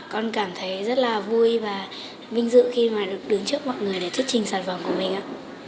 con cảm thấy rất là vui và vinh dự khi mà được đứng trước mọi người để thuyết trình sản phẩm của mình